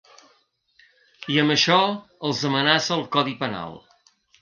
I amb això els amenaça el codi penal.